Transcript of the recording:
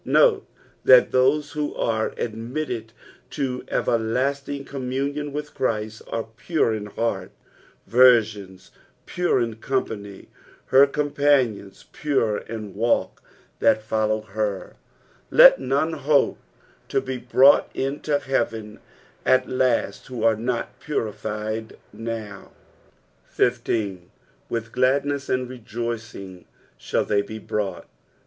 Note that those who are admitted to everlasting com' muDJOQ with Christ, are pure in heart — virgiju, pure ia company — ''her eom panioiit," pure in walk~ "(Aa( jWfcie Aw." Let none hope to bo brought iuto " heaven at last who are not puriQed now. 19. '' With gladnea and rejoiring iJiall they be brought."